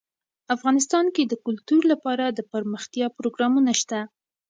افغانستان کې د کلتور لپاره دپرمختیا پروګرامونه شته.